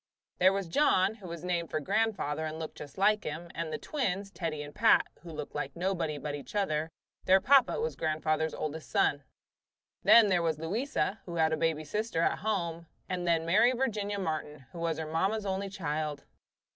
There was John, who was named for grandfather and looked just like him, and the twins, Teddie and Pat, who looked like nobody but each other; their papa was grandfather's oldest son. Then there was Louisa, who had a baby sister at home, and then Mary Virginia Martin, who was her mamma's only child.